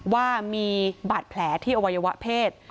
ว่ามีบาดแผลที่อวัยวะเพศ